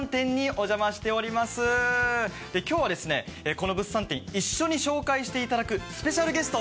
この物産展一緒に紹介していただくスペシャルゲスト